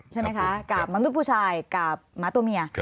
ใช่ไหมคะกับมนุษย์ผู้ชายกับหมาตัวเมีย